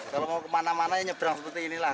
kalau mau kemana mana ya nyebrang seperti inilah